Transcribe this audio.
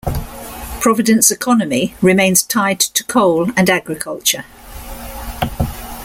Providence' economy remains tied to coal and agriculture.